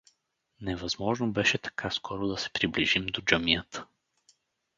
Невъзможно беше така скоро да се приближим до джамията.